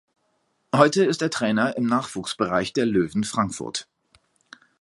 Heute ist er Trainer im Nachwuchsbereich der Löwen Frankfurt.